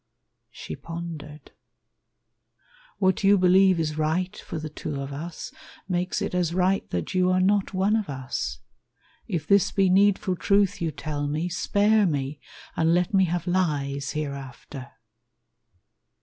She pondered: "What you believe is right for the two of us Makes it as right that you are not one of us. If this be needful truth you tell me, Spare me, and let me have lies hereafter."